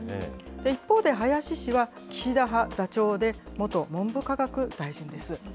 一方で林氏は岸田派座長で、元文部科学大臣です。